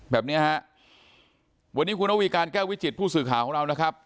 แบบเนี้ยฮะวันนี้คุณระวีการแก้ววิจิตผู้สื่อข่าวของเรานะครับ